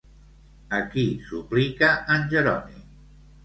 A qui suplica en Jeroni?